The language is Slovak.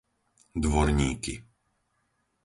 Dvorníky